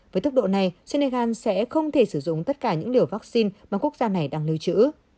với tốc độ này senegal sẽ không thể sử dụng tất cả những liều vaccine mà quốc gia này đang lưu trữ